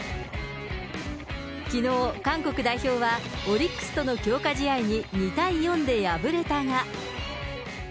きのう、韓国代表はオリックスとの強化試合に２対４で敗れたが。